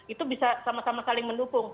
itu bisa sama sama saling mendukung